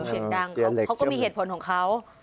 เขาเสียงดังก็มีเหตุผลของเขา